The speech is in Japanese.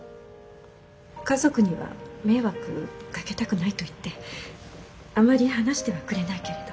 家族には迷惑かけたくないと言ってあまり話してはくれないけれど。